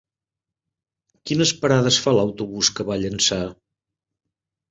Quines parades fa l'autobús que va a Llançà?